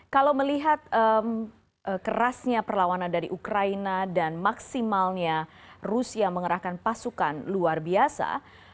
kalau melihat kerasnya perlawanan dari ukraina dan maksimalnya rusia mengerahkan pasukan luar biasa